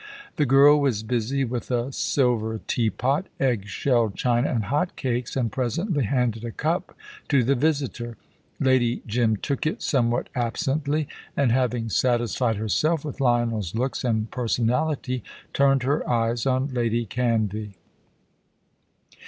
The girl was busy with a silver teapot, egg shell china, and hot cakes, and presently handed a cup to the visitor. Lady Jim took it somewhat absently, and having satisfied herself with Lionel's looks and personality, turned her eyes on Lady Canvey.